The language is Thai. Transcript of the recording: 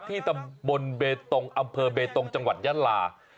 ที่ตำบลเบตงอำเภอเบตงจังหวัดยาลา